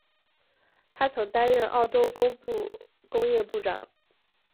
他曾经担任澳洲工业部长。